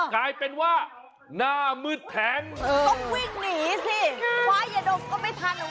กลายเป็นว่าหน้ามืดแทงต้องวิ่งหนีสิคว้ายาดมก็ไม่ทัน